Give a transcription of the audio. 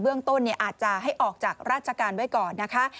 เรื่องต้นเนี่ยอาจจะให้ออกจากราชการไว้ก่อนนะคะ